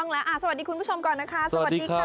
แล้วสวัสดีคุณผู้ชมก่อนนะคะสวัสดีค่ะ